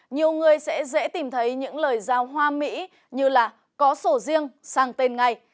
nhiều người sẽ dễ tìm thấy những lời giao hoa mỹ như là có sổ riêng sang tên ngay